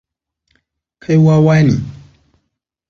Kai wawa ne.